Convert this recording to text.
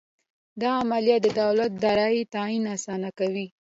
دا عملیه د دولت د دارایۍ تعین اسانه کوي.